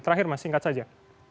terakhir mas singkat saja